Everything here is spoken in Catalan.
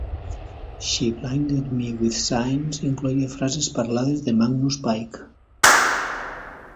"She Blinded Me with Science" incloïa frases parlades de Magnus Pyke.